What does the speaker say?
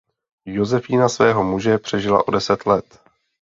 Josefína svého muže přežila o deset let.